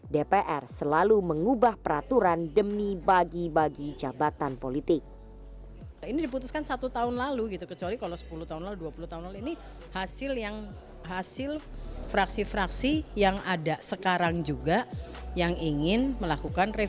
dpr selalu mengubah peraturan demi bagi bagi jabatan politik